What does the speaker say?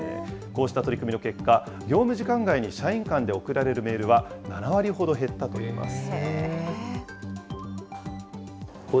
こうした取り組みの結果、業務時間外に社員間で送られるメールは７割ほど減ったといいます。